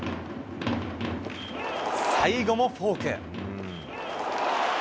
最後もフォーク。